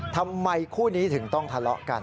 ทำไมคู่นี้ถึงต้องทะเลาะกัน